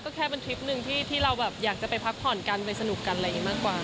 ก็แค่เป็นทริปหนึ่งที่เราแบบอยากจะไปพักผ่อนกันไปสนุกกันอะไรอย่างนี้มากกว่า